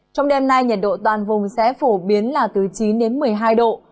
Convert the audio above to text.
trong đêm nay nhiệt độ toàn vùng sẽ phổ biến là từ chín đến một mươi hai độ